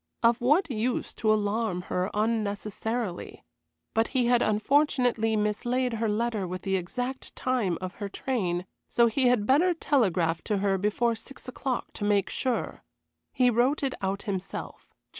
Of what use to alarm her unnecessarily. But he had unfortunately mislaid her letter with the exact time of her train, so he had better telegraph to her before six o'clock to make sure. He wrote it out himself.